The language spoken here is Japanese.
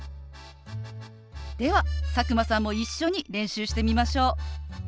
では佐久間さんも一緒に練習してみましょう。